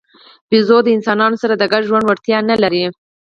بیزو د انسانانو سره د ګډ ژوند وړتیا نه لري.